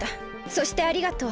そしてありがとう。